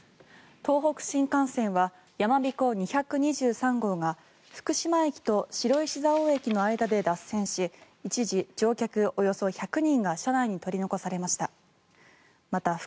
東北新幹線はやまびこ２２３号が福島駅と白石蔵王駅の間で脱線し一時、乗客およそ１００人が車内に取り残されました。